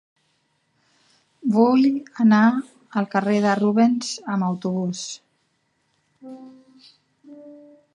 Vull anar al carrer de Rubens amb autobús.